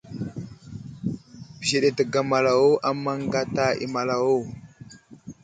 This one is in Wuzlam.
Bəzeɗe təgamalawo a maŋ gata i malawo.